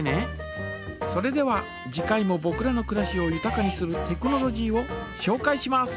それでは次回もぼくらのくらしをゆたかにするテクノロジーをしょうかいします。